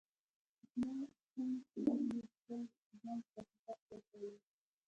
کوچني کوڼ زوی يې خپل ژوند په خطر کې اچولی.